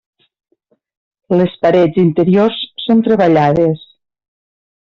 Les parets interiors són treballades.